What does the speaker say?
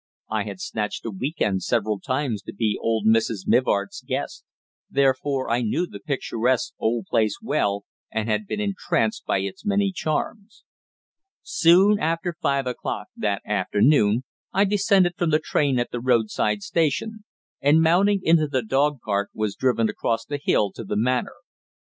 I had snatched a week end several times to be old Mrs. Mivart's guest; therefore I knew the picturesque old place well, and had been entranced by its many charms. Soon after five o'clock that afternoon I descended from the train at the roadside station, and, mounting into the dog cart, was driven across the hill to the Manor.